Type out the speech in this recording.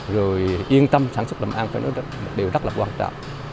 rồi yên tâm sản xuất lòng an phải là một điều rất là quan trọng